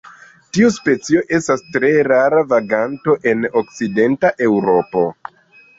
Tiu specio estas tre rara vaganto en okcidenta Eŭropo.